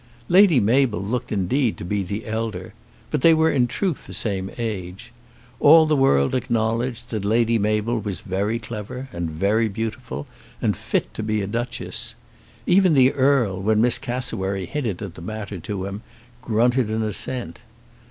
Lady Mabel looked indeed to be the elder, but they were in truth the same age. All the world acknowledged that Lady Mabel was very clever and very beautiful and fit to be a Duchess. Even the Earl, when Miss Cassewary hinted at the matter to him, grunted an assent.